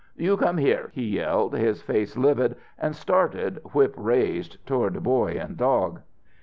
You come here!" he yelled, his face livid, and started, whip raised, toward boy and dog.